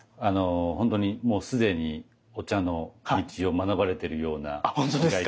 本当にもう既にお茶の道を学ばれてるような気がいたします。